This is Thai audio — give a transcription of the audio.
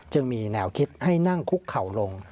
จึงมีแนวคิดให้นั่งคุกเข่าลง